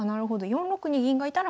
４六に銀がいたら早繰り